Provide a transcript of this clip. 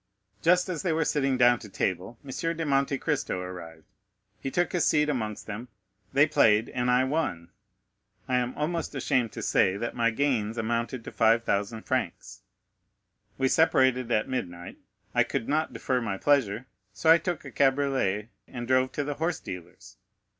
"Just as they were sitting down to table, M. de Monte Cristo arrived. He took his seat amongst them; they played, and I won. I am almost ashamed to say that my gains amounted to 5,000 francs. We separated at midnight. I could not defer my pleasure, so I took a cabriolet and drove to the horse dealer's.